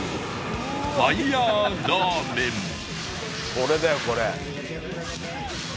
これだよこれ。